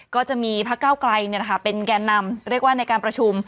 ก็จะมีพักเก้าไกลเป็นแก่นำเรียกว่าในการประชุม